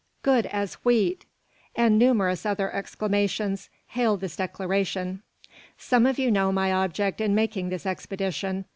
"Good as wheat!" and numerous other exclamations, hailed this declaration. "Some of you know my object in making this expedition.